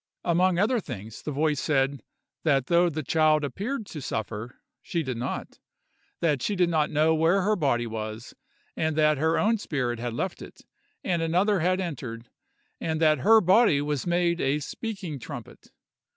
Among other things, the voice said, that though the child appeared to suffer, she did not; that she did not know where her body was; and that her own spirit had left it, and another had entered; and that her body was made a speaking trumpet.